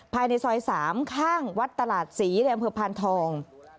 ภายในซอย๓ข้างวัดตลาดศรีในอำเภอพานทอง